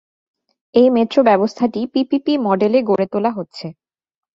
এই মেট্রো ব্যবস্থাটি পিপিপি মডেলে গড়ে তোলা হচ্ছে।